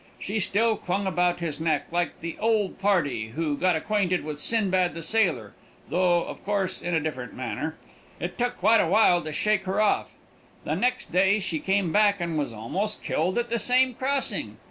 She still clung about his neck, like the old party who got acquainted with Sinbad the Sailor, though, of course, in a different manner. It took quite a while to shake her off. The next day she came back and was almost killed at the same crossing.